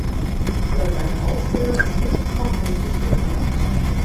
Über seine Ausbildung ist nichts Konkretes bekannt.